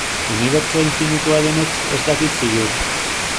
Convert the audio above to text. Unibertsoa infinitua denetz ez dakit ziur.